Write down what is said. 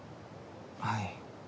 はい。